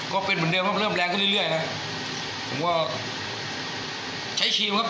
ก็เป็นเหมือนเดิมครับเริ่มแรงขึ้นเรื่อยเรื่อยนะผมก็ใช้ครีมครับ